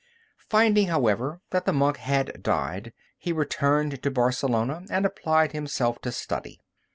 Finding, however, that the monk had died, he returned to Barcelona and applied himself to study.